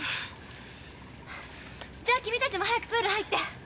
じゃあ君たちも早くプール入って。